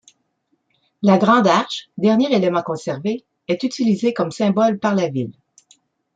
La grande arche, dernier élément conservé, est utilisée comme symbole par la ville.